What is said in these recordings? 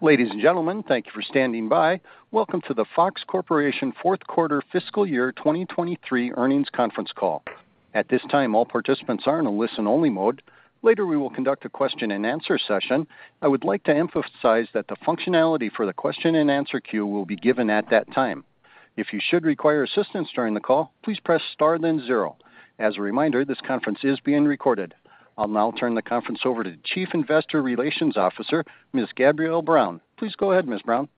Ladies and gentlemen, thank you for standing by. Welcome to the Fox Corporation Q4 fiscal year 2023 earnings conference call. At this time, all participants are in a listen-only mode. Later, we will conduct a question-and-answer session. I would like to emphasize that the functionality for the question-and-answer queue will be given at that time. If you should require assistance during the call, please press Star then 0. As a reminder, this conference is being recorded. I'll now turn the conference over to Chief Investor Relations Officer, Ms. Gabrielle Brown. Please go ahead, Ms. Brown.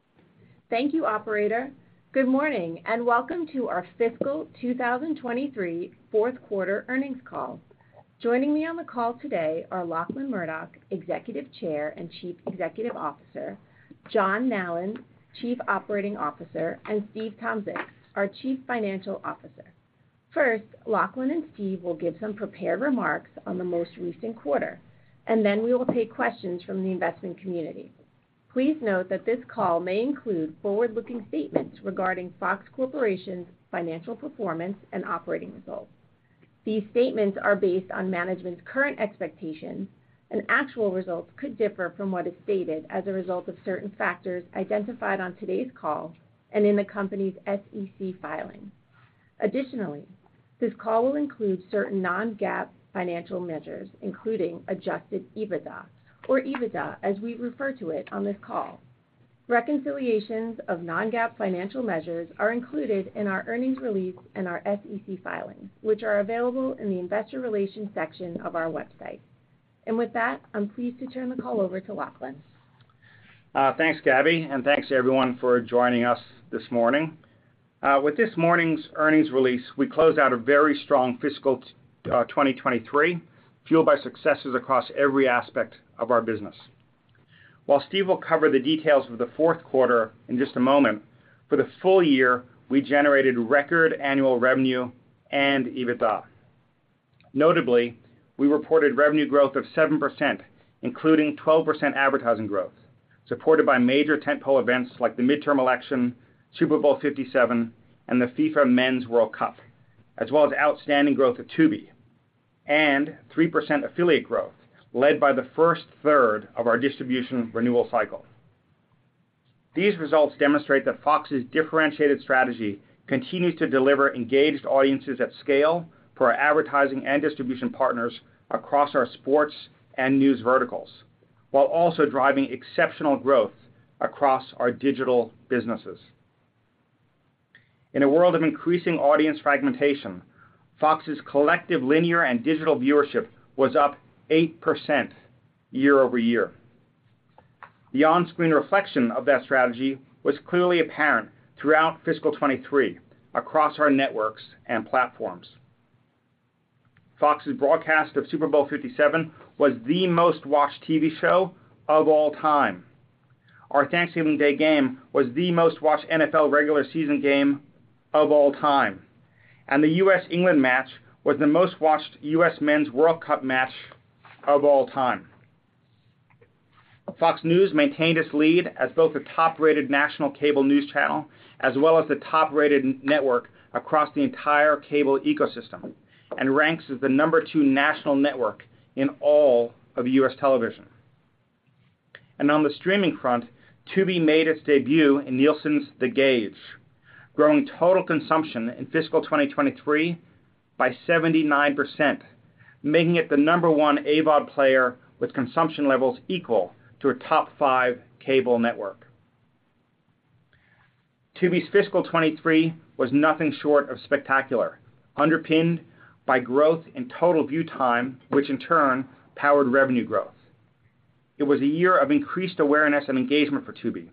Thank you, operator. Good morning, and welcome to our fiscal 2023 Q4 earnings call. Joining me on the call today are Lachlan Murdoch, Executive Chair and Chief Executive Officer; John Nallen, Chief Operating Officer; and Steve Tomsic, our Chief Financial Officer. First, Lachlan and Steve will give some prepared remarks on the most recent quarter. Then we will take questions from the investment community. Please note that this call may include forward-looking statements regarding Fox Corporation's financial performance and operating results. These statements are based on management's current expectations, and actual results could differ from what is stated as a result of certain factors identified on today's call and in the company's SEC filing. Additionally, this call will include certain non-GAAP financial measures, including Adjusted EBITDA or EBITDA, as we refer to it on this call. Reconciliations of non-GAAP financial measures are included in our earnings release and our SEC filings, which are available in the Investor Relations section of our website. With that, I'm pleased to turn the call over to Lachlan. Thanks, Gabby, and thanks to everyone for joining us this morning. With this morning's earnings release, we close out a very strong fiscal 2023, fueled by successes across every aspect of our business. While Steve will cover the details of the Q4 in just a moment, for the full year, we generated record annual revenue and EBITDA. Notably, we reported revenue growth of 7%, including 12% advertising growth, supported by major tentpole events like the midterm election, Super Bowl LVII, and the FIFA Men's World Cup, as well as outstanding growth at Tubi, and 3% affiliate growth, led by the first third of our distribution renewal cycle. These results demonstrate that Fox's differentiated strategy continues to deliver engaged audiences at scale for our advertising and distribution partners across our sports and news verticals, while also driving exceptional growth across our digital businesses. In a world of increasing audience fragmentation, Fox's collective linear and digital viewership was up 8% year-over-year. The on-screen reflection of that strategy was clearly apparent throughout fiscal 2023 across our networks and platforms. Fox's broadcast of Super Bowl LVII was the most-watched TV show of all time. Our Thanksgiving Day game was the most-watched NFL regular season game of all time, and the US-England match was the most-watched US Men's World Cup match of all time. Fox News maintained its lead as both the top-rated national cable news channel, as well as the top-rated network across the entire cable ecosystem. It ranks as the number 2 national network in all of U.S. television. On the streaming front, Tubi made its debut in Nielsen's The Gauge, growing total consumption in fiscal 2023 by 79%, making it the number 1 AVOD player with consumption levels equal to a top 5 cable network. Tubi's fiscal 2023 was nothing short of spectacular, underpinned by growth in total view time, which in turn powered revenue growth. It was a year of increased awareness and engagement for Tubi,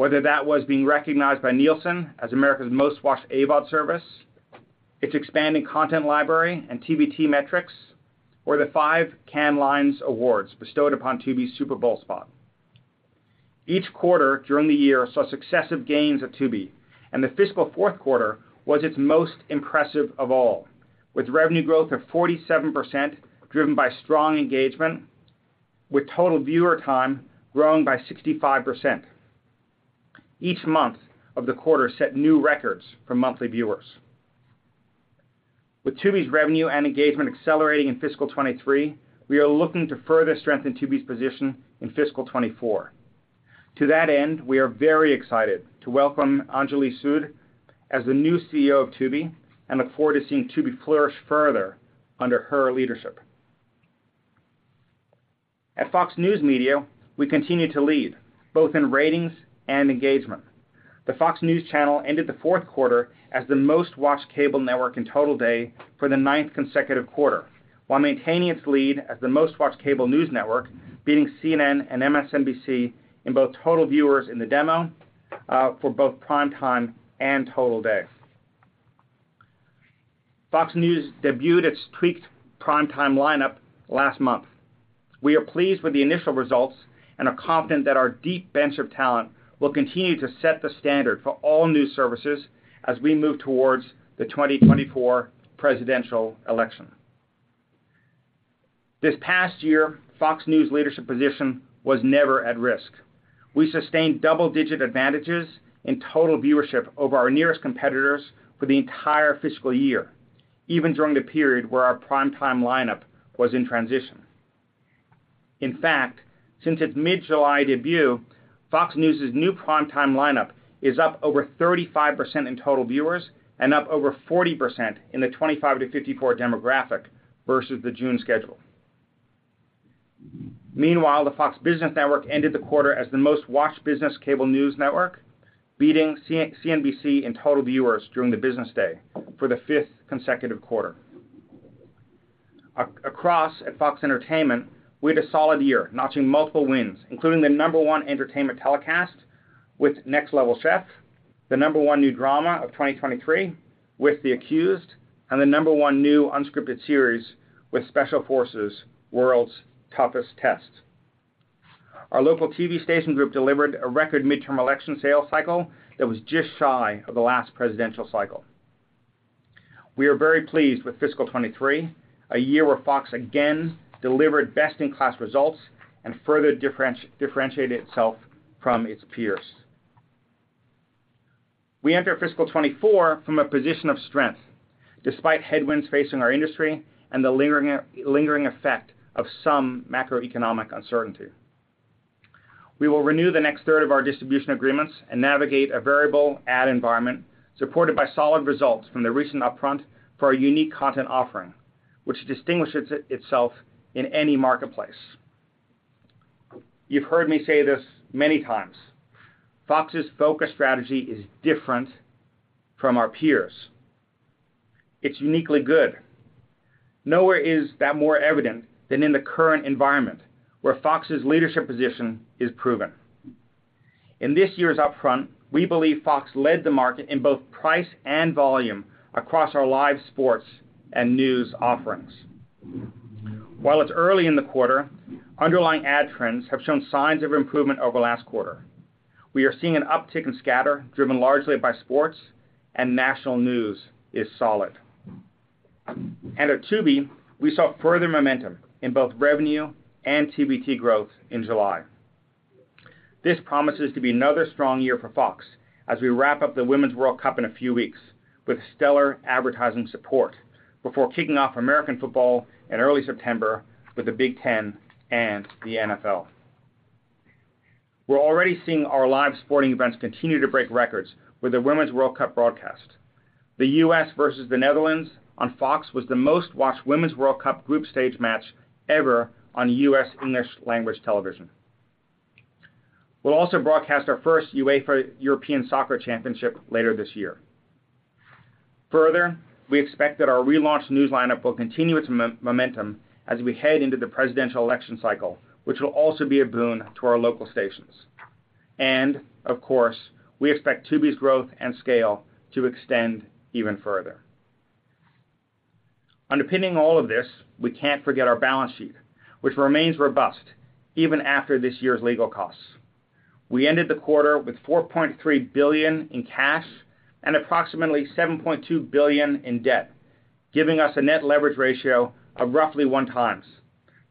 whether that was being recognized by Nielsen as America's most-watched AVOD service, its expanding content library and TVT metrics, or the 5 Cannes Lions Awards bestowed upon Tubi's Super Bowl spot. Each quarter during the year saw successive gains of Tubi, and the fiscal Q4 was its most impressive of all, with revenue growth of 47%, driven by strong engagement, with total viewer time growing by 65%. Each month of the quarter set new records for monthly viewers. With Tubi's revenue and engagement accelerating in fiscal 2023, we are looking to further strengthen Tubi's position in fiscal 2024. To that end, we are very excited to welcome Anjali Sud as the new CEO of Tubi and look forward to seeing Tubi flourish further under her leadership. At Fox News Media, we continue to lead both in ratings and engagement. The Fox News Channel ended the Q4 as the most-watched cable network in total day for the ninth consecutive quarter, while maintaining its lead as the most-watched cable news network, beating CNN and MSNBC in both total viewers in the demo for both prime time and total day. Fox News debuted its tweaked prime time lineup last month. We are pleased with the initial results and are confident that our deep bench of talent will continue to set the standard for all news services as we move towards the 2024 presidential election. This past year, Fox News' leadership position was never at risk. We sustained double-digit advantages in total viewership over our nearest competitors for the entire fiscal year... even during the period where our prime-time lineup was in transition. In fact, since its mid-July debut, Fox News' new prime-time lineup is up over 35% in total viewers and up over 40% in the 25 to 54 demographic versus the June schedule. Meanwhile, the Fox Business Network ended the quarter as the most-watched business cable news network, beating CNBC in total viewers during the business day for the fifth consecutive quarter. Across at Fox Entertainment, we had a solid year, notching multiple wins, including the number one entertainment telecast with Next Level Chef, the number one new drama of 2023 with The Accused, and the number one new unscripted series with Special Forces: World's Toughest Test. Our local TV station group delivered a record midterm election sales cycle that was just shy of the last presidential cycle. We are very pleased with fiscal '23, a year where Fox again delivered best-in-class results and further differentiated itself from its peers. We enter fiscal '24 from a position of strength, despite headwinds facing our industry and the lingering effect of some macroeconomic uncertainty. We will renew the next third of our distribution agreements and navigate a variable ad environment, supported by solid results from the recent upfront for our unique content offering, which distinguishes itself in any marketplace. You've heard me say this many times: Fox's focus strategy is different from our peers. It's uniquely good. Nowhere is that more evident than in the current environment, where Fox's leadership position is proven. In this year's upfront, we believe Fox led the market in both price and volume across our live sports and news offerings. While it's early in the quarter, underlying ad trends have shown signs of improvement over last quarter. We are seeing an uptick in scatter, driven largely by sports. National news is solid. At Tubi, we saw further momentum in both revenue and TVT growth in July. This promises to be another strong year for Fox as we wrap up the Women's World Cup in a few weeks with stellar advertising support before kicking off American football in early September with the Big Ten and the NFL. We're already seeing our live sporting events continue to break records with the Women's World Cup broadcast. The U.S. versus the Netherlands on Fox was the most-watched Women's World Cup group stage match ever on U.S. English-language television. We'll also broadcast our first UEFA European Championship later this year. We expect that our relaunched news lineup will continue its momentum as we head into the presidential election cycle, which will also be a boon to our local stations. Of course, we expect Tubi's growth and scale to extend even further. Underpinning all of this, we can't forget our balance sheet, which remains robust even after this year's legal costs. We ended the quarter with $4.3 billion in cash and approximately $7.2 billion in debt, giving us a net leverage ratio of roughly 1 times,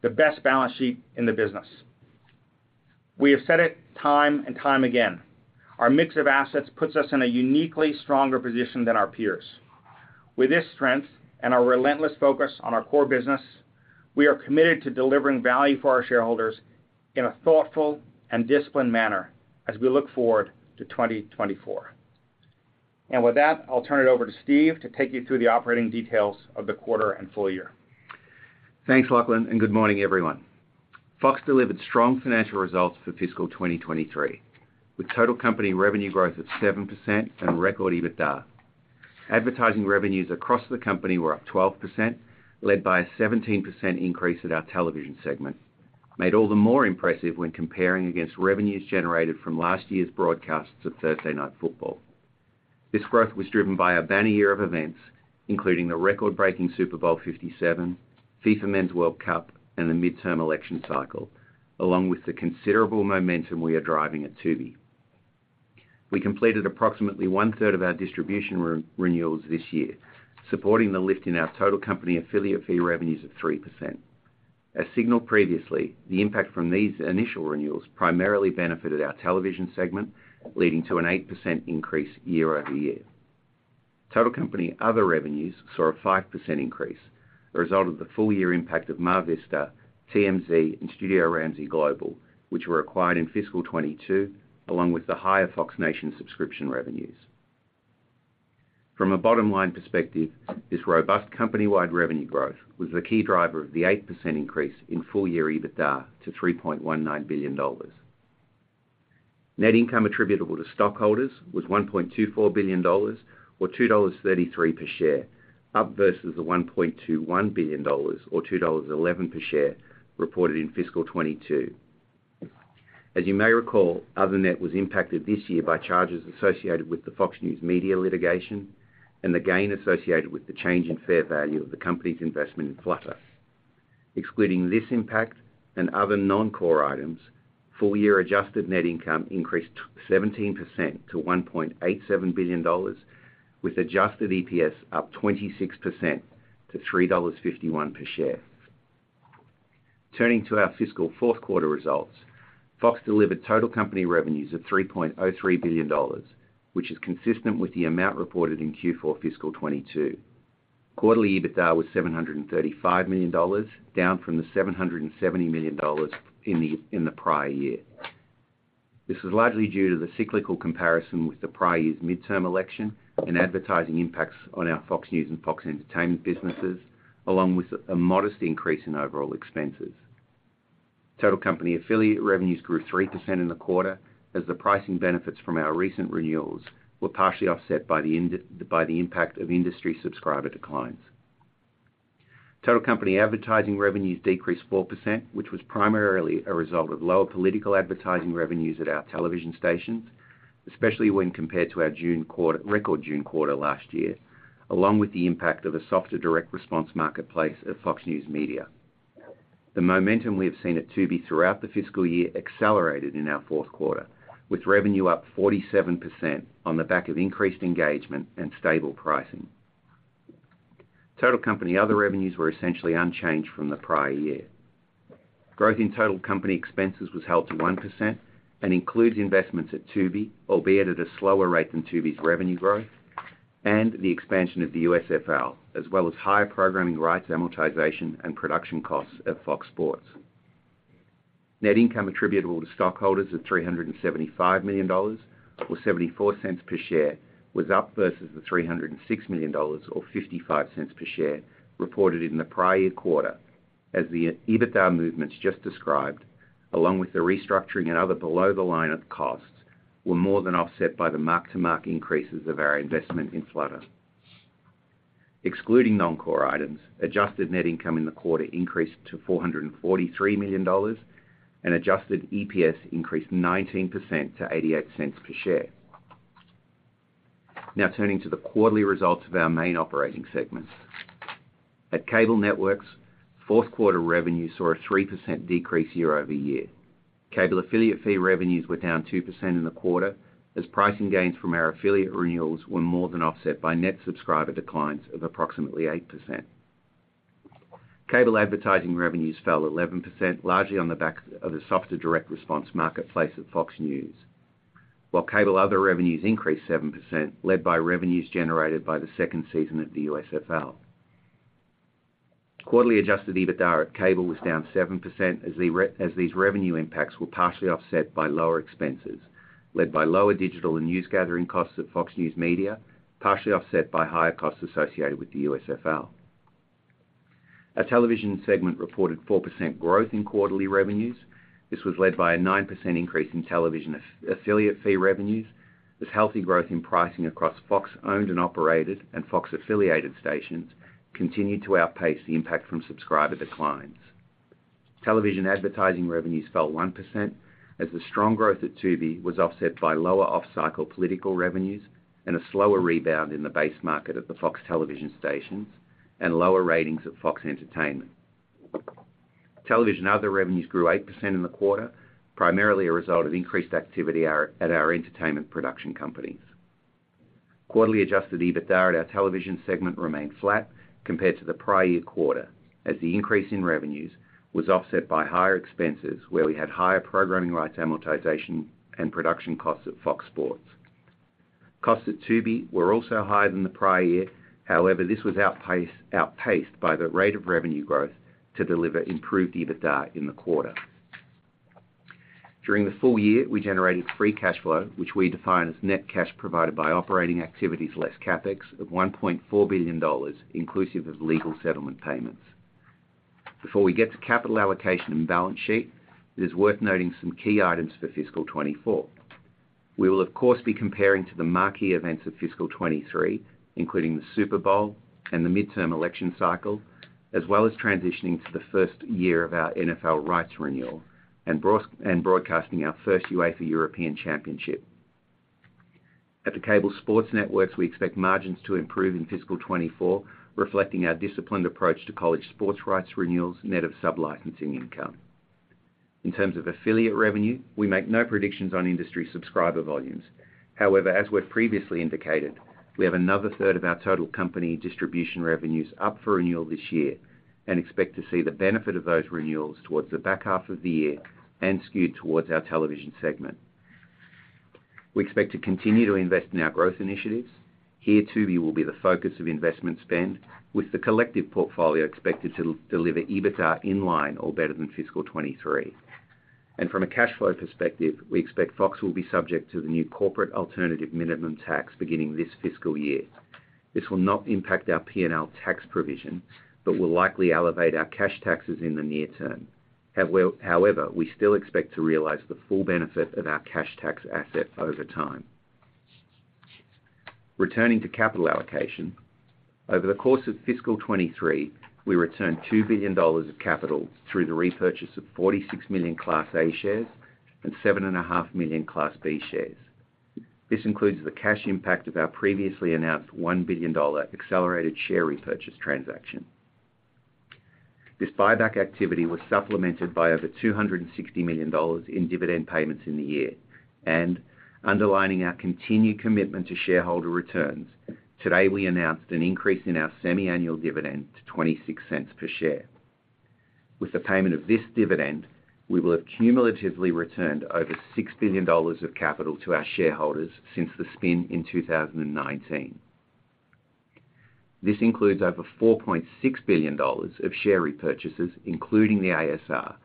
the best balance sheet in the business. We have said it time and time again, our mix of assets puts us in a uniquely stronger position than our peers. With this strength and our relentless focus on our core business, we are committed to delivering value for our shareholders in a thoughtful and disciplined manner as we look forward to 2024. With that, I'll turn it over to Steve to take you through the operating details of the quarter and full year. Thanks, Lachlan. Good morning, everyone. Fox delivered strong financial results for fiscal 2023, with total company revenue growth of 7% and record EBITDA. Advertising revenues across the company were up 12%, led by a 17% increase at our television segment, made all the more impressive when comparing against revenues generated from last year's broadcasts of Thursday Night Football. This growth was driven by a banner year of events, including the record-breaking Super Bowl LVII, FIFA Men's World Cup, and the midterm election cycle, along with the considerable momentum we are driving at Tubi. We completed approximately one-third of our distribution re-renewals this year, supporting the lift in our total company affiliate fee revenues of 3%. As signaled previously, the impact from these initial renewals primarily benefited our television segment, leading to an 8% increase year-over-year. Total company other revenues saw a 5% increase, a result of the full-year impact of MarVista, TMZ, and Studio Ramsay Global, which were acquired in fiscal 2022, along with the higher Fox Nation subscription revenues. From a bottom-line perspective, this robust company-wide revenue growth was the key driver of the 8% increase in full-year EBITDA to $3.19 billion. Net income attributable to stockholders was $1.24 billion or $2.33 per share, up versus the $1.21 billion, or $2.11 per share, reported in fiscal 2022. As you may recall, other net was impacted this year by charges associated with the Fox News Media litigation and the gain associated with the change in fair value of the company's investment in Flutter. Excluding this impact and other non-core items, full-year Adjusted Net income increased 17% - $1.87 billion, with adjusted EPS up 26% - $3.51 per share. Turning to our fiscal Q4 results, Fox delivered total company revenues of $3.03 billion, which is consistent with the amount reported in Q4 fiscal 2022. Quarterly EBITDA was $735 million, down from $770 million in the prior year. This was largely due to the cyclical comparison with the prior year's midterm election and advertising impacts on our Fox News and Fox Entertainment businesses, along with a modest increase in overall expenses. Total company affiliate revenues grew 3% in the quarter as the pricing benefits from our recent renewals were partially offset by the impact of industry subscriber declines. Total company advertising revenues decreased 4%, which was primarily a result of lower political advertising revenues at our television stations, especially when compared to our record June quarter last year, along with the impact of a softer direct response marketplace at Fox News Media. The momentum we have seen at Tubi throughout the fiscal year accelerated in our Q4, with revenue up 47% on the back of increased engagement and stable pricing. Total company other revenues were essentially unchanged from the prior year. Growth in total company expenses was held to 1% and includes investments at Tubi, albeit at a slower rate than Tubi's revenue growth, and the expansion of the USFL, as well as higher programming rights, amortization, and production costs at Fox Sports. Net income attributable to stockholders of $375 million, or $0.74 per share, was up versus the $306 million, or $0.55 per share, reported in the prior year quarter. The EBITDA movements just described, along with the restructuring and other below-the-line costs, were more than offset by the mark-to-mark increases of our investment in Flutter. Excluding non-core items, Adjusted Net income in the quarter increased to $443 million, and adjusted EPS increased 19% - $0.88 per share. Turning to the quarterly results of our main operating segments. At Cable Networks, Q4 revenues saw a 3% decrease year-over-year. Cable affiliate fee revenues were down 2% in the quarter, as pricing gains from our affiliate renewals were more than offset by net subscriber declines of approximately 8%. Cable advertising revenues fell 11%, largely on the back of a softer direct response marketplace at Fox News, while Cable other revenues increased 7%, led by revenues generated by the second season at the USFL. Quarterly Adjusted EBITDA at Cable was down 7% as these revenue impacts were partially offset by lower expenses, led by lower digital and newsgathering costs at Fox News Media, partially offset by higher costs associated with the USFL. Our television segment reported 4% growth in quarterly revenues. This was led by a 9% increase in television affiliate fee revenues, with healthy growth in pricing across Fox owned and operated, and Fox-affiliated stations continued to outpace the impact from subscriber declines. Television advertising revenues fell 1%, as the strong growth at Tubi was offset by lower off-cycle political revenues and a slower rebound in the base market at the FOX Television Stations and lower ratings at Fox Entertainment. Television other revenues grew 8% in the quarter, primarily a result of increased activity at our, at our entertainment production companies. Quarterly Adjusted EBITDA at our television segment remained flat compared to the prior year quarter, as the increase in revenues was offset by higher expenses, where we had higher programming rights amortization and production costs at Fox Sports. Costs at Tubi were also higher than the prior year. However, this was outpace- outpaced by the rate of revenue growth to deliver improved EBITDA in the quarter. During the full year, we generated free cash flow, which we define as net cash provided by operating activities less Capex, of $1.4 billion, inclusive of legal settlement payments. Before we get to capital allocation and balance sheet, it is worth noting some key items for fiscal 2024. We will, of course, be comparing to the marquee events of fiscal 2023, including the Super Bowl and the midterm election cycle, as well as transitioning to the first year of our NFL rights renewal and broadcasting our first UEFA European Championship. At the Cable Sports Networks, we expect margins to improve in fiscal 2024, reflecting our disciplined approach to college sports rights renewals, net of sublicensing income. In terms of affiliate revenue, we make no predictions on industry subscriber volumes. However, as we've previously indicated, we have another third of our total company distribution revenues up for renewal this year and expect to see the benefit of those renewals towards the back half of the year and skewed towards our television segment. We expect to continue to invest in our growth initiatives. Here, Tubi will be the focus of investment spend, with the collective portfolio expected to deliver EBITDA in line or better than fiscal 2023. From a cash flow perspective, we expect Fox will be subject to the new corporate alternative minimum tax beginning this fiscal year. This will not impact our P&L tax provision, but will likely elevate our cash taxes in the near term. However, we still expect to realize the full benefit of our cash tax asset over time. Returning to capital allocation. Over the course of fiscal 2023, we returned $2 billion of capital through the repurchase of 46 million Class A shares and 7.5 million Class B shares. This includes the cash impact of our previously announced $1 billion accelerated share repurchase transaction. This buyback activity was supplemented by over $260 million in dividend payments in the year. Underlining our continued commitment to shareholder returns, today, we announced an increase in our semiannual dividend to $0.26 per share.... With the payment of this dividend, we will have cumulatively returned over $6 billion of capital to our shareholders since the spin in 2019. This includes over $4.6 billion of share repurchases, including the ASR,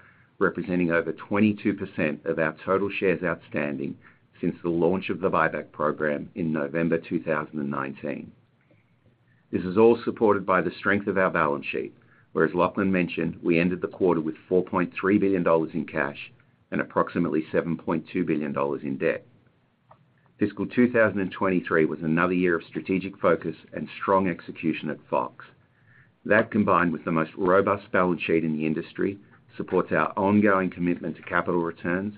representing over 22% of our total shares outstanding since the launch of the buyback program in November 2019. This is all supported by the strength of our balance sheet, where, as Lachlan mentioned, we ended the quarter with $4.3 billion in cash and approximately $7.2 billion in debt. Fiscal 2023 was another year of strategic focus and strong execution at Fox. That, combined with the most robust balance sheet in the industry, supports our ongoing commitment to capital returns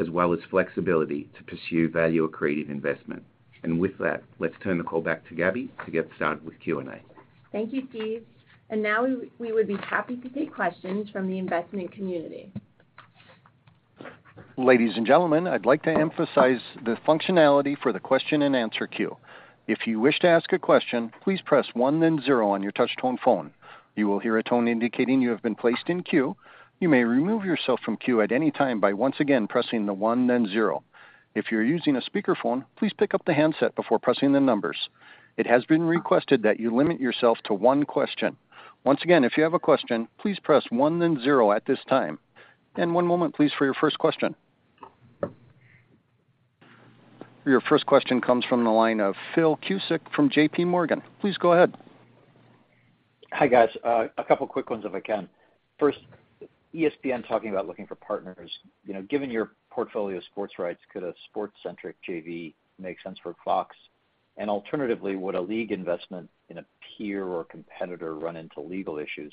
as well as flexibility to pursue value-accretive investment. With that, let's turn the call back to Gabby to get started with Q&A. Thank you, Steve. Now we, we would be happy to take questions from the investment community. Ladies and gentlemen, I'd like to emphasize the functionality for the question-and-answer queue. If you wish to ask a question, please press 1, then 0 on your touch-tone phone. You will hear a tone indicating you have been placed in queue. You may remove yourself from queue at any time by once again pressing the 1, then 0. If you're using a speakerphone, please pick up the handset before pressing the numbers. It has been requested that you limit yourself to 1 question. Once again, if you have a question, please press 1, then 0 at this time. 1 moment, please, for your first question. Your first question comes from the line of Phil Cusick from JPMorgan. Please go ahead. Hi, guys. a couple quick ones, if I can. First, ESPN talking about looking for partners. You know, given your portfolio of sports rights, could a sports-centric JV make sense for Fox? Alternatively, would a league investment in a peer or competitor run into legal issues?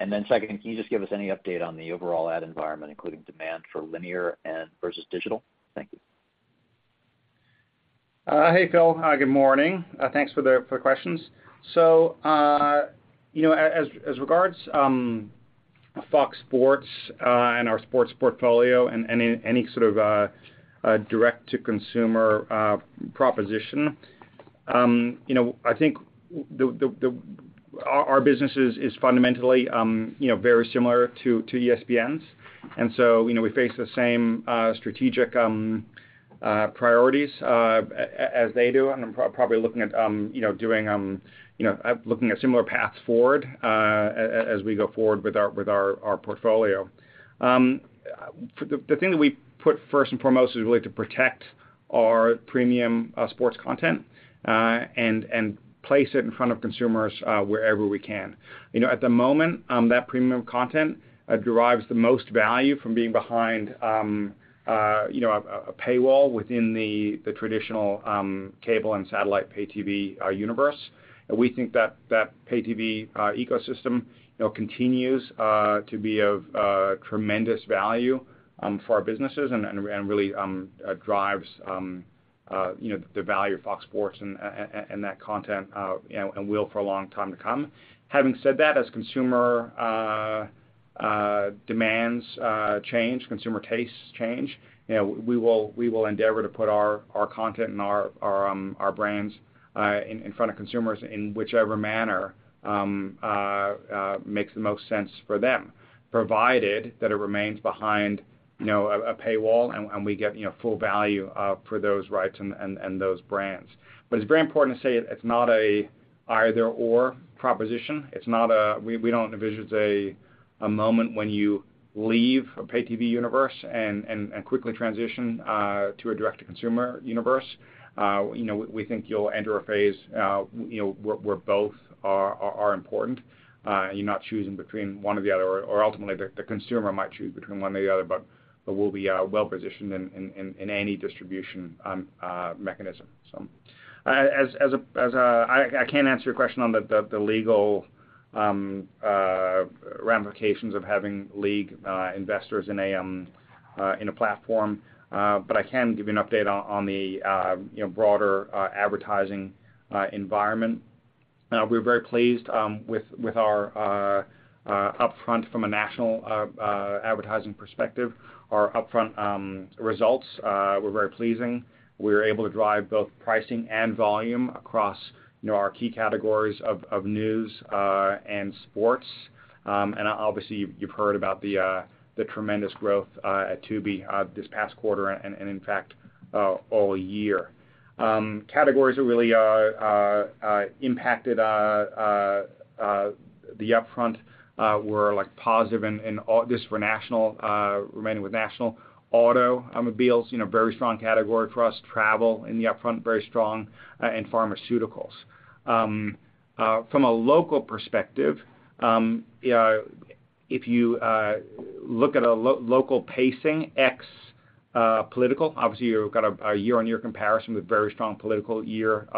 Then second, can you just give us any update on the overall ad environment, including demand for linear and versus digital? Thank you. Hey, Phil. Good morning. Thanks for the, for the questions. You know, as, as regards, Fox Sports, and our sports portfolio and, and any sort of, a direct-to-consumer proposition, you know, I think the, the, the... Our business is, is fundamentally, you know, very similar to, to ESPN's. You know, we face the same, strategic, priorities, as they do, and probably looking at, you know, doing, you know, looking at similar paths forward, as we go forward with our, with our, our portfolio. The, the thing that we put first and foremost is really to protect our premium, sports content, and, and place it in front of consumers, wherever we can. You know, at the moment, that premium content derives the most value from being behind, you know, a paywall within the traditional cable and satellite pay TV universe. And we think that that pay TV ecosystem, you know, continues to be of tremendous value for our businesses and, and really, drives, you know, the value of Fox Sports and that content, you know, and will for a long time to come. Having said that, as consumer demands change, consumer tastes change, you know, we will, we will endeavor to put our, our content and our brands in front of consumers in whichever manner makes the most sense for them. Provided that it remains behind, you know, a, a paywall and, and we get, you know, full value for those rights and, and, and those brands. It's very important to say it's not a either/or proposition. It's not a. We, we don't envision it as a, a moment when you leave a pay TV universe and, and, and quickly transition to a direct-to-consumer universe. You know, we think you'll enter a phase, you know, where, where both are, are important, and you're not choosing between one or the other, or ultimately, the, the consumer might choose between one or the other, but, but we'll be well-positioned in, in, in, in any distribution mechanism. I can't answer your question on the legal ramifications of having league investors in a platform, but I can give you an update on the, you know, broader advertising environment. We're very pleased with our upfront from a national advertising perspective. Our upfront results were very pleasing. We were able to drive both pricing and volume across, you know, our key categories of news and sports. Obviously, you've heard about the tremendous growth at Tubi this past quarter and in fact, all year. Categories that really impacted the upfront were, like, positive and just for national, remaining with national. Automobiles, you know, very strong category for us. Travel in the upfront, very strong, and pharmaceuticals. From a local perspective, you know, if you look at a local pacing ex political, obviously, you've got a year-on-year comparison with very strong political year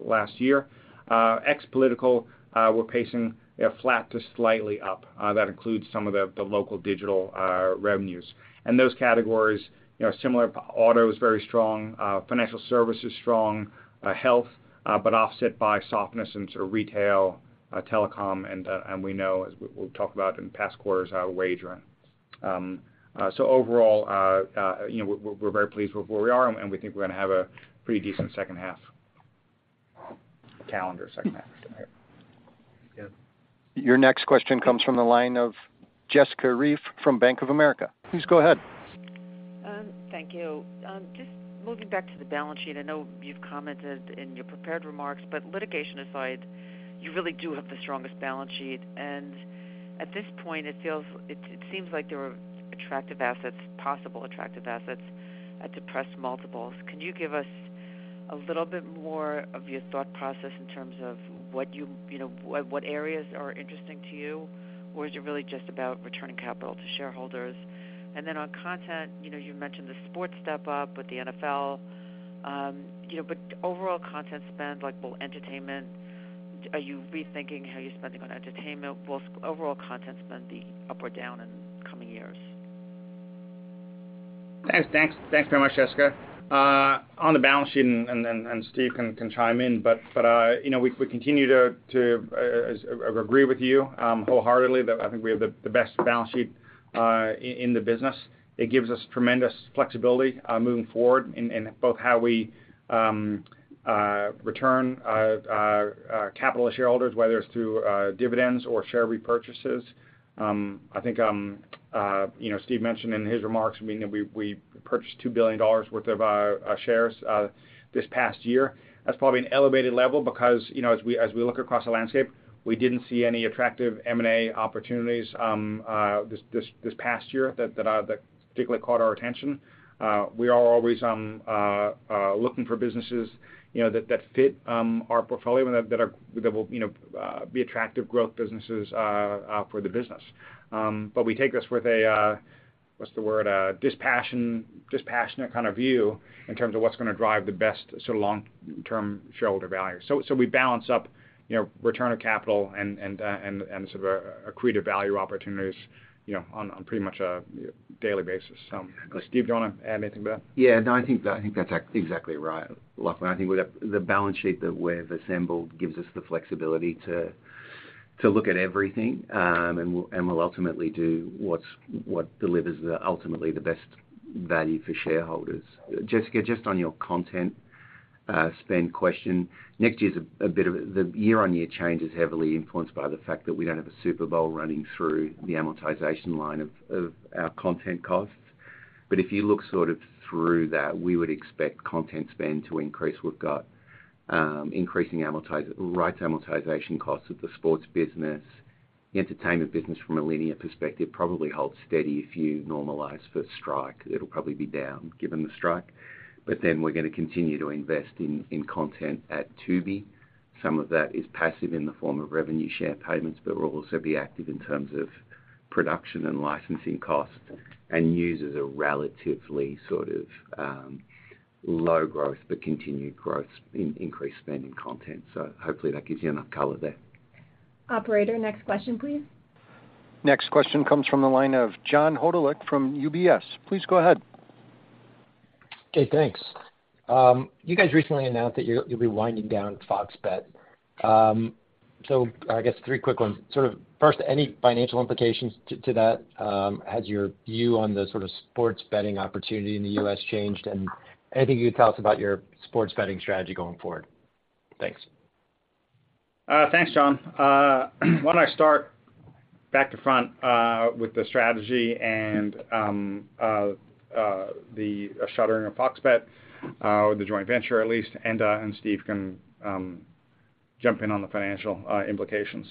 last year. Ex political, we're pacing, you know, flat to slightly up. That includes some of the local digital revenues. Those categories, you know, are similar. Auto is very strong, financial services strong, health, but offset by softness in sort of retail, telecom, and we know, as we've talked about in past quarters, wagering. Overall, you know, we're very pleased with where we are, and we think we're going to have a pretty decent second half. Calendar second half, right? Yep. Your next question comes from the line of Jessica Reif Ehrlich from Bank of America. Please go ahead. Thank you. Just moving back to the balance sheet, I know you've commented in your prepared remarks, but litigation aside, you really do have the strongest balance sheet. At this point, it seems like there are attractive assets, possible attractive assets at depressed multiples. Can you give us a little bit more of your thought process in terms of what you know, what areas are interesting to you? Or is it really just about returning capital to shareholders? Then on content, you know, you mentioned the sports step up with the NFL. You know, but overall content spend, like both entertainment, are you rethinking how you're spending on entertainment? Will overall content spend be up or down in the coming years? Thanks. Thanks, thanks very much, Jessica. On the balance sheet, Steve can chime in, but, you know, we continue to agree with you wholeheartedly, that I think we have the best balance sheet in the business. It gives us tremendous flexibility moving forward in both how we return capital to shareholders, whether it's through dividends or share repurchases. I think, you know, Steve mentioned in his remarks, I mean, that we purchased $2 billion worth of our shares this past year. That's probably an elevated level because, you know, as we look across the landscape, we didn't see any attractive M&A opportunities this past year that particularly caught our attention. Uh, we are always, um, uh, uh, looking for businesses, you know, that, that fit, um, our portfolio, and that, that are- that will, you know, uh, be attractive growth businesses, uh, uh, for the business. Um, but we take this with a, uh... What's the word? A dispassion- dispassionate kind of view in terms of what's gonna drive the best sort of long-term shareholder value. So, so we balance up, you know, return of capital and, and, uh, and, and sort of accretive value opportunities, you know, on, on pretty much a daily basis. So Steve, do you wanna add anything to that? Yeah. No, I think, I think that's exactly right, Lachlan. I think with the, the balance sheet that we've assembled gives us the flexibility to, to look at everything. We'll, and we'll ultimately do what's- what delivers the ultimately the best value for shareholders. Jessica, just on your content spend question, next year's a bit of- the year-on-year change is heavily influenced by the fact that we don't have a Super Bowl running through the amortization line of, of our content costs. If you look sort of through that, we would expect content spend to increase. We've got increasing rights amortization costs of the sports business. The entertainment business from a linear perspective, probably hold steady. If you normalize for strike, it'll probably be down, given the strike. We're gonna continue to invest in, in content at Tubi. Some of that is passive in the form of revenue share payments, but we'll also be active in terms of production and licensing costs, and use as a relatively sort of, low growth, but continued growth in increased spending content. Hopefully, that gives you enough color there. Operator, next question, please. Next question comes from the line of John Hodulik from UBS. Please go ahead. Okay, thanks. You guys recently announced that you'll be winding down FOX Bet. I guess three quick ones. Sort of, first, any financial implications to that? Has your view on the sort of sports betting opportunity in the US changed? Anything you'd tell us about your sports betting strategy going forward? Thanks. Thanks, John. Why don't I start back to front with the strategy and the shuttering of Fox Bet, or the joint venture at least, and Steve can jump in on the financial implications.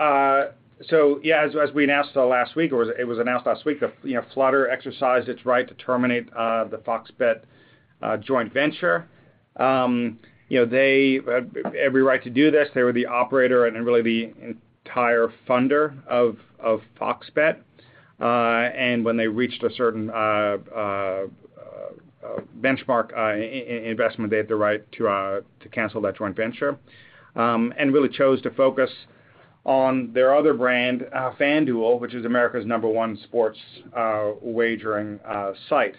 Yeah, as, as we announced last week, or it was announced last week, that, you know, Flutter exercised its right to terminate the Fox Bet joint venture. You know, they had every right to do this. They were the operator and then really the entire funder of, of Fox Bet. When they reached a certain benchmark in investment, they had the right to cancel that joint venture. Really chose to focus on their other brand, FanDuel, which is America's number one sports wagering site.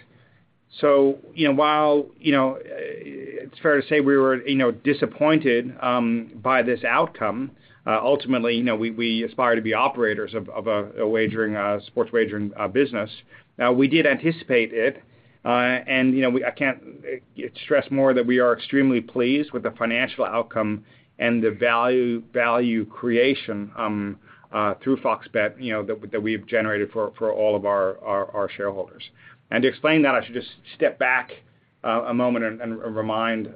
You know, while, you know, it's fair to say we were, you know, disappointed by this outcome, ultimately, you know, we, we aspire to be operators of a wagering sports wagering business. We did anticipate it, and, you know, we... I can't stress more that we are extremely pleased with the financial outcome and the value, value creation through Fox Bet, you know, that we've generated for all of our, our, our shareholders. To explain that, I should just step back a moment and remind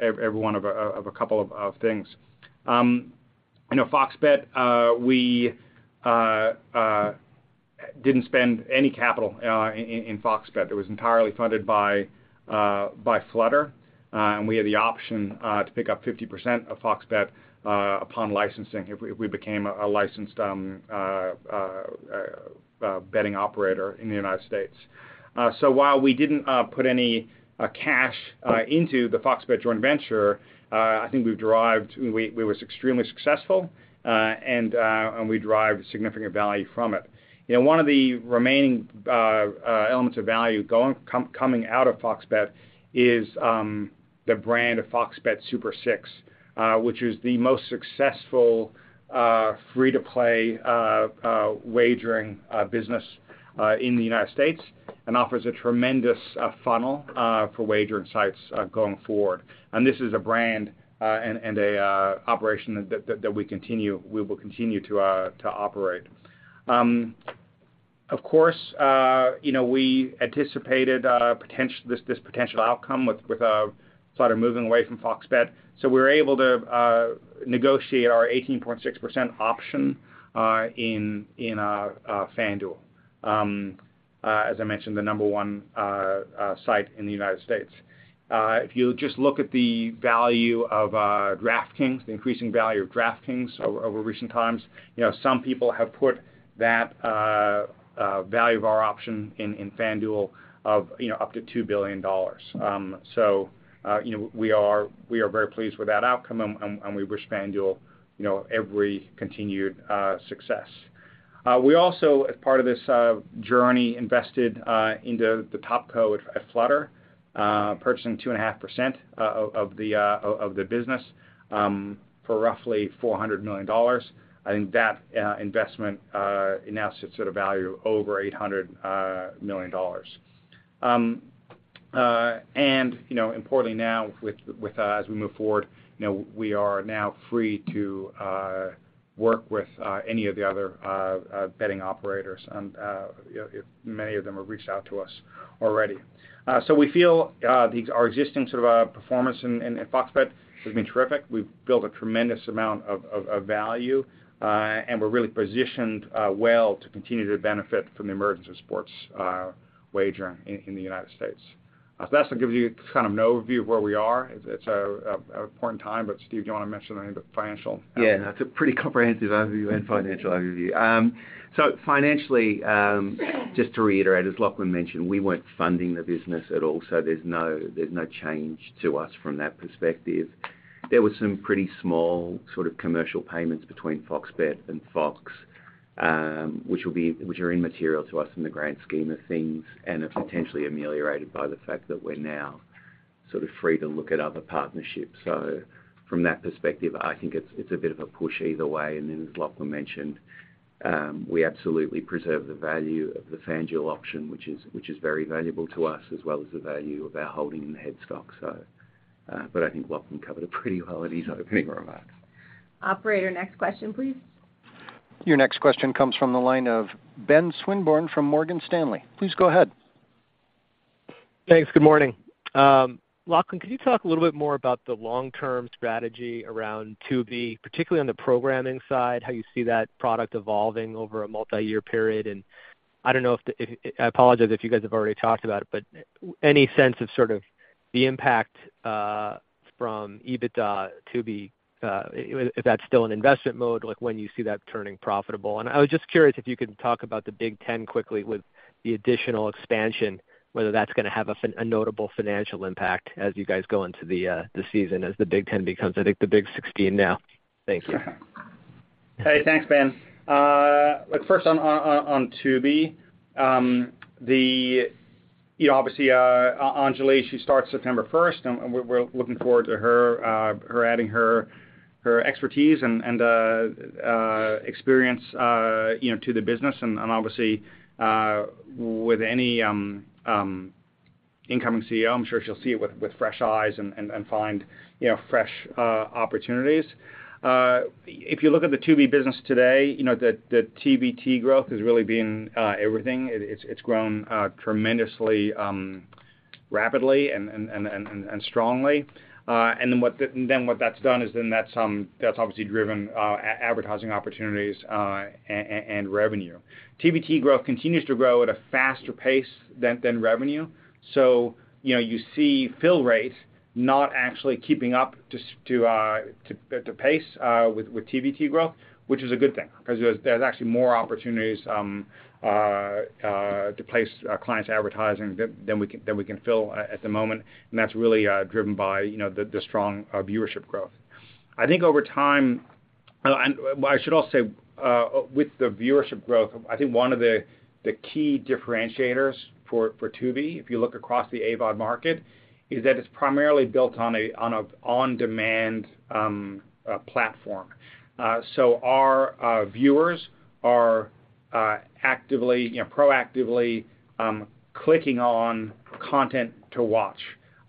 everyone of a couple of things. You know, Fox Bet, we didn't spend any capital in Fox Bet. It was entirely funded by Flutter, and we had the option to pick up 50% of Fox Bet upon licensing if we, if we became a licensed betting operator in the United States. While we didn't put any cash into the Fox Bet joint venture, I think we've derived... We was extremely successful, and we derived significant value from it. You know, one of the remaining elements of value going coming out of Fox Bet is the brand of FOX Bet Super 6, which is the most successful free-to-play wagering business in the United States and offers a tremendous funnel for wagering sites going forward. This is a brand and an operation that we continue-- we will continue to operate. Of course, you know, we anticipated this potential outcome with, with Flutter moving away from Fox Bet, so we were able to negotiate our 18.6% option in FanDuel. As I mentioned, the number one site in the United States. If you just look at the value of DraftKings, the increasing value of DraftKings over recent times, you know, some people have put that value of our option in FanDuel of, you know, up to $2 billion. You know, we are very pleased with that outcome, and we wish FanDuel, you know, every continued success. We also, as part of this journey, invested into the TopCo at Flutter, purchasing 2.5% of the business, for roughly $400 million. I think that investment now sits at a value of over $800 million. You know, importantly now, with, as we move forward, you know, we are now free to work with any of the other betting operators, and many of them have reached out to us already. We feel the, our existing sort of, performance in FOX Bet has been terrific. We've built a tremendous amount of, of, of value, and we're really positioned well to continue to benefit from the emergence of sports wagering in, in the United States. That should give you kind of an overview of where we are. It's an important time, but Steve, do you want to mention any of the financial? Yeah, that's a pretty comprehensive overview and financial overview. Financially, just to reiterate, as Lachlan mentioned, we weren't funding the business at all, so there's no, there's no change to us from that perspective. There were some pretty small sort of commercial payments between FOX Bet and Fox, which are immaterial to us in the grand scheme of things, and it's potentially ameliorated by the fact that we're now sort of free to look at other partnerships. From that perspective, I think it's, it's a bit of a push either way. As Lachlan mentioned, we absolutely preserve the value of the FanDuel option, which is, which is very valuable to us, as well as the value of our holding in the head stock. I think Lachlan covered it pretty well in his opening remarks. Operator, next question, please. Your next question comes from the line of Ben Swinburne from Morgan Stanley. Please go ahead. Thanks. Good morning. Lachlan, could you talk a little bit more about the long-term strategy around Tubi, particularly on the programming side, how you see that product evolving over a multiyear period? I don't know if I apologize if you guys have already talked about it, but any sense of sort of the impact from EBITDA Tubi, if that's still in investment mode, like, when you see that turning profitable? I was just curious if you could talk about the Big Ten quickly with the additional expansion, whether that's gonna have a notable financial impact as you guys go into the season, as the Big Ten becomes, I think, the Big Sixteen now. Thank you. Hey, thanks, Ben. Look, first on, on, on Tubi. The, you know, obviously, Anjali, she starts September first, we're looking forward to her adding her expertise and experience, you know, to the business. Obviously, with any incoming CEO, I'm sure she'll see it with fresh eyes and find, you know, fresh opportunities. If you look at the Tubi business today, you know, the TVT growth has really been everything. It's grown tremendously, rapidly and strongly. Then what that's done is then that's obviously driven advertising opportunities and revenue. TVT growth continues to grow at a faster pace than revenue. you know, you see fill rate not actually keeping up to pace with TVT growth, which is a good thing because there's actually more opportunities to place clients' advertising than we can fill at the moment. That's really driven by, you know, the strong viewership growth. I think over time... I should also say, with the viewership growth, I think one of the key differentiators for Tubi, if you look across the AVOD market, is that it's primarily built on a on-demand platform. So our viewers are actively, you know, proactively clicking on content to watch.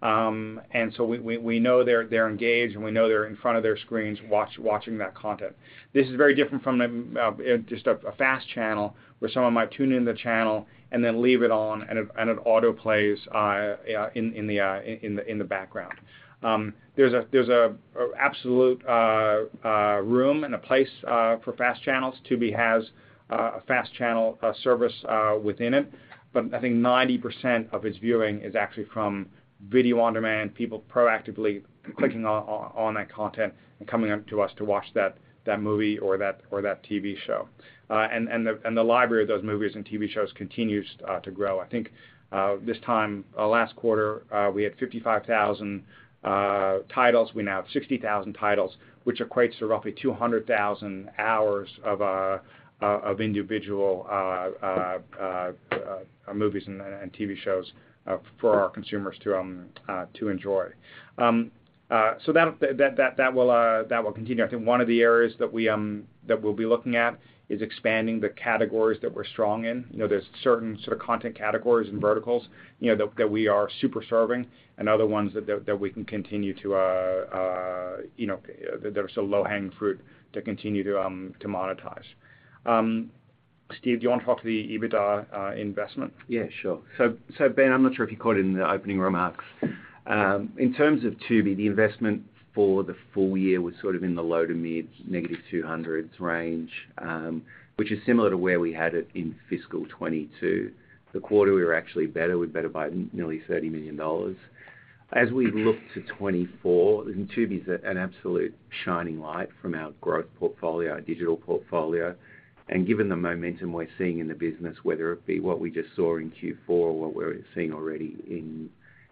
We, we, we know they're, they're engaged, and we know they're in front of their screens watch-watching that content. This is very different from just a FAST channel, where someone might tune into the channel and then leave it on, and it, and it autoplays in, in the, in the background. There's a, there's a absolute room and a place for FAST channels. Tubi has a FAST channel service within it, but I think 90% of its viewing is actually from video on demand, people proactively clicking on, on, on that content and coming up to us to watch that, that movie or that, or that TV show. The library of those movies and TV shows continues to grow. I think, this time, last quarter, we had 55,000 titles. We now have 60,000 titles, which equates to roughly 200,000 hours of individual movies and TV shows for our consumers to enjoy. So that, that, that, that will, that will continue. I think one of the areas that we, that we'll be looking at is expanding the categories that we're strong in. You know, there's certain sort of content categories and verticals, you know, that, that we are super serving and other ones that, that we can continue to, you know, that are still low-hanging fruit to continue to monetize. Steve, do you want to talk the EBITDA investment? Yeah, sure. Ben, I'm not sure if you caught it in the opening remarks. In terms of Tubi, the investment for the full year was sort of in the low to mid negative $200s range, which is similar to where we had it in fiscal 2022. The quarter, we were actually better. We're better by nearly $30 million. As we look to 2024, Tubi's an, an absolute shining light from our growth portfolio, our digital portfolio, and given the momentum we're seeing in the business, whether it be what we just saw in Q4 or what we're seeing already in,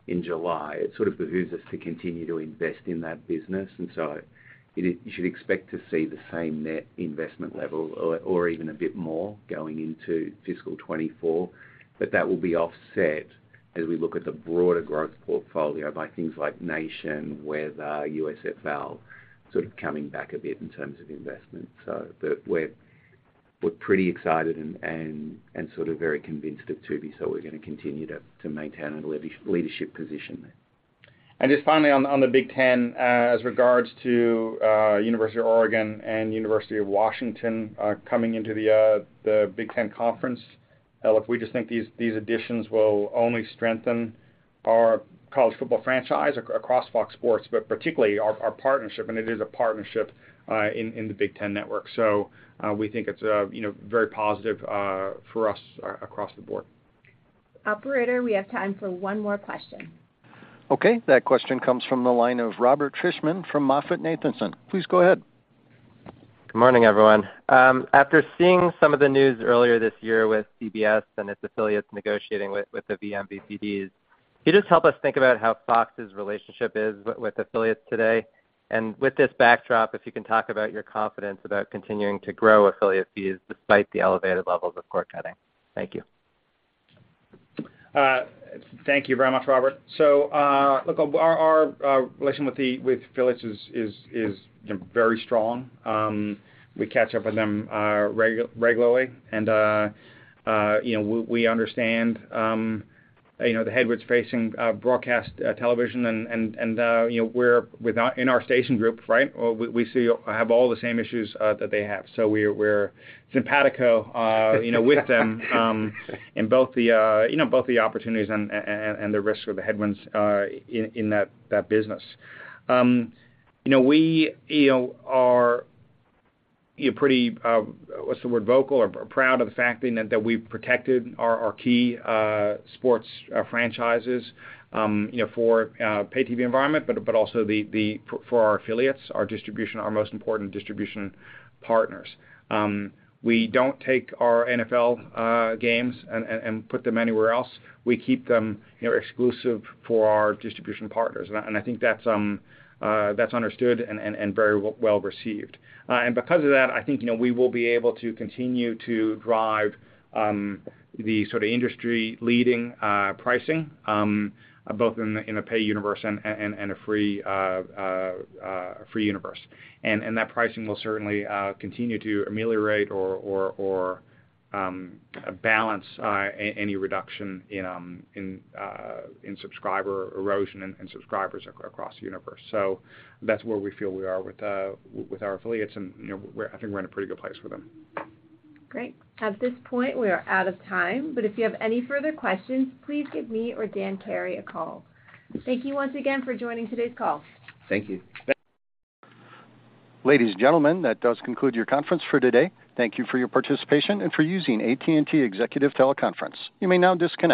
in July, it sort of behooves us to continue to invest in that business. So you, you should expect to see the same net investment level or, or even a bit more going into fiscal 2024. That will be offset as we look at the broader growth portfolio by things like Nation, Weather, USFL, sort of coming back a bit in terms of investment. We're, we're pretty excited and, and, and sort of very convinced of Tubi, so we're gonna continue to, to maintain a leadership position there. Just finally on, on the Big Ten, as regards to University of Oregon and University of Washington coming into the Big Ten Conference. Look, we just think these additions will only strengthen our college football franchise across Fox Sports, but particularly our partnership, and it is a partnership, in the Big Ten Network. We think it's, you know, very positive for us across the board. Operator, we have time for one more question. Okay, that question comes from the line of Robert Fishman from MoffettNathanson. Please go ahead. Good morning, everyone. After seeing some of the news earlier this year with CBS and its affiliates negotiating with, with the vMVPDs, can you just help us think about how Fox's relationship is with affiliates today? With this backdrop, if you can talk about your confidence about continuing to grow affiliate fees despite the elevated levels of cord cutting. Thank you. Thank you very much, Robert. Look, our, our relation with the- with affiliates is, is, is, you know, very strong. We catch up with them regularly, and, you know, we understand, you know, the headwinds facing broadcast television and, and, and, you know, we're, with our, in our station group, right? We, we see, have all the same issues that they have. We're, we're simpatico, you know, with them- in both the, you know, both the opportunities and the risks or the headwinds in that, that business. You know, we, you know, are, you know, pretty, what's the word, vocal or, or proud of the fact that, that we've protected our, our key, sports, franchises, you know, for, pay TV environment, but also the... for our affiliates, our distribution, our most important distribution partners. We don't take our NFL games and put them anywhere else. We keep them, you know, exclusive for our distribution partners, and I, and I think that's, that's understood and very w- well received. Because of that, I think, you know, we will be able to continue to drive, the sort of industry-leading, pricing, both in the, in the pay universe and a free, free universe. That pricing will certainly continue to ameliorate or, or, or balance any reduction in in in subscriber erosion and, and subscribers across the universe. That's where we feel we are with our affiliates, and, you know, we're, I think we're in a pretty good place for them. Great. At this point, we are out of time, but if you have any further questions, please give me or Daniel Carey a call. Thank you once again for joining today's call. Thank you. Ladies and gentlemen, that does conclude your conference for today. Thank you for your participation and for using AT&T Executive Teleconference. You may now disconnect.